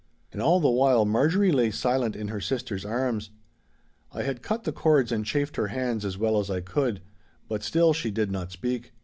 And all the while Marjorie lay silent in her sister's arms. I had cut the cords and chafed her hands as well as I could, but still she did not speak.